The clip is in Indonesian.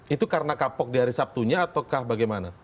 itu karena kapok di hari sabtunya ataukah bagaimana